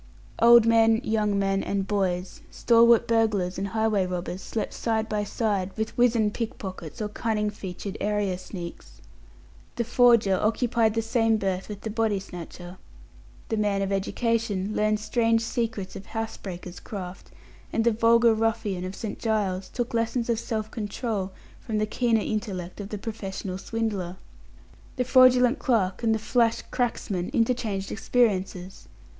Old men, young men, and boys, stalwart burglars and highway robbers, slept side by side with wizened pickpockets or cunning featured area sneaks. The forger occupied the same berth with the body snatcher. The man of education learned strange secrets of house breakers' craft, and the vulgar ruffian of St. Giles took lessons of self control from the keener intellect of the professional swindler. The fraudulent clerk and the flash "cracksman" interchanged experiences.